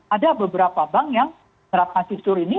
ada beberapa bank yang menerapkan fisktur ini